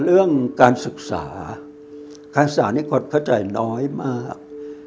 เรื่องการศึกษาที่คนเข้าใจน้อยมาก